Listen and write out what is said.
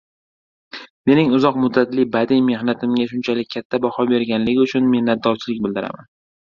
mening uzoq muddatli badiiy mehnatimga shunchalik katta baho berganligi uchun minnatdorchilik bildiraman.